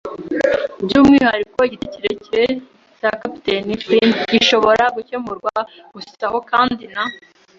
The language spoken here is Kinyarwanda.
byumwihariko "igiti kirekire" cya Kapiteni Flint gishobora gukemurwa gusa aho, kandi na